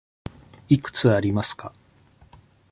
いくつありますか。